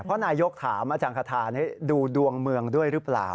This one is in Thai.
เพราะนายกถามอาจารย์คาทานี่ดูดวงเมืองด้วยหรือเปล่า